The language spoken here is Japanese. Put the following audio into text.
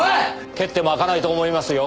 蹴っても開かないと思いますよ。